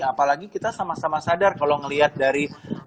apalagi kita sama sama sadar kalau ngelihat dari